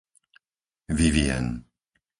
Vivien